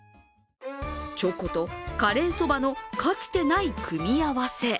チョコとカレーそばのかつてない組み合わせ。